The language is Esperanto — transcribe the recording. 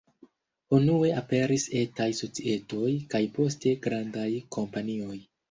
Unue aperis etaj societoj, kaj poste grandaj kompanioj.